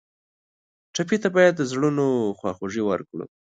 ټپي ته باید د زړونو خواخوږي ورکړو.